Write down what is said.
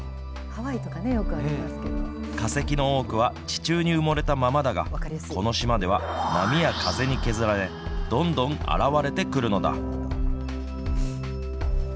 化石の多くは地中に埋もれたままだが、この島では波や風に削られ、どんどん現れてくるのだ。